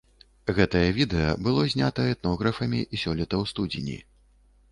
Гэтае відэа было знята этнографамі сёлета ў студзені.